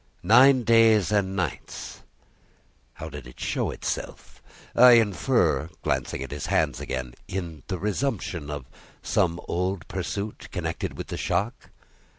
"Nine days and nights." "How did it show itself? I infer," glancing at his hands again, "in the resumption of some old pursuit connected with the shock?"